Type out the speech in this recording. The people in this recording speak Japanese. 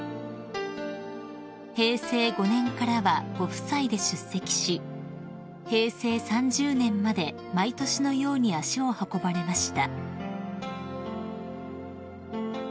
［平成５年からはご夫妻で出席し平成３０年まで毎年のように足を運ばれました］